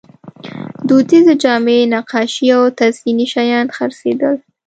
دودیزې جامې، نقاشۍ او تزییني شیان خرڅېدل.